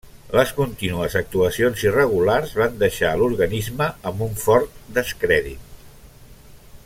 Les contínues actuacions irregulars van deixar a l'organisme amb un fort descrèdit.